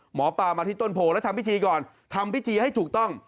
หมอปลามาที่ต้นโพแล้วทำพิธีก่อนทำพิธีให้ถูกต้อง